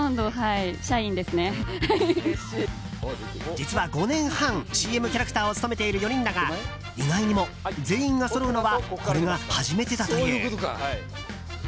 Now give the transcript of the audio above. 実は５年半ＣＭキャラクターを務めている４人だが意外にも全員がそろうのはこれが初めてだという。